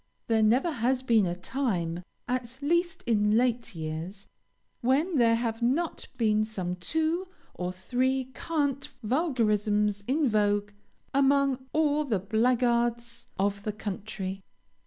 There never has been a time, at least in late years, when there have not been some two or three cant vulgarisms in vogue among all the blackguards of the country.